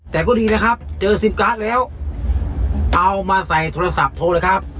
แต่ก็ดีนะครับเจอซิมการ์ดแล้วเอามาใส่โทรศัพท์โทรเลยครับ